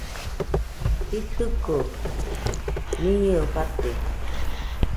Jitɨko miñɨe fate